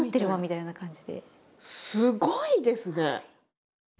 すごいですね。